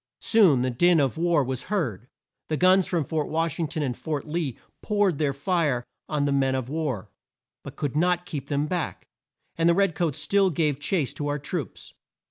Soon the din of war was heard. The guns from Fort Wash ing ton and Fort Lee poured their fire on the men of war, but could not keep them back, and the red coats still gave chase to our troops.